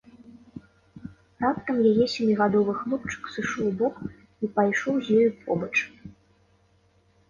Раптам яе сямігадовы хлопчык сышоў убок і пайшоў з ёю побач.